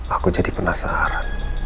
aku jadi penasaran